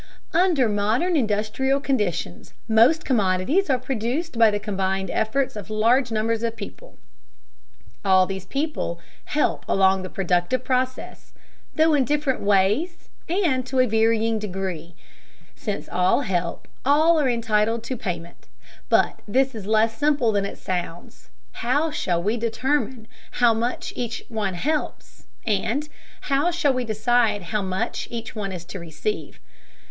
Under modern industrial conditions most commodities are produced by the combined efforts of large numbers of people. All these people help along the productive process, though in different ways and to a varying degree. Since all help, all are entitled to payment. But this is less simple than it sounds. How shall we determine how much each one helps, and how shall we decide how much each one is to receive?